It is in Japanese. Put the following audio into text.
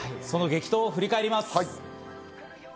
その激闘を振り返ります。